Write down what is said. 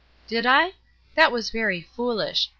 "Did I? That was very foolish.